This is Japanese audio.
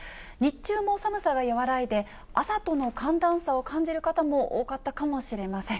日中も寒さが和らいで、朝との寒暖差を感じる方も多かったかもしれません。